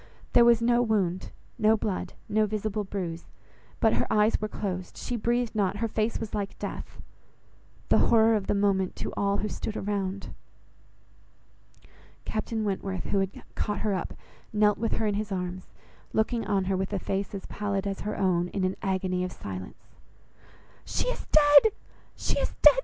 There was no wound, no blood, no visible bruise; but her eyes were closed, she breathed not, her face was like death. The horror of the moment to all who stood around! Captain Wentworth, who had caught her up, knelt with her in his arms, looking on her with a face as pallid as her own, in an agony of silence. "She is dead! she is dead!"